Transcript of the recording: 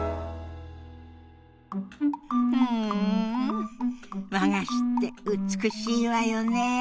うん和菓子って美しいわよね。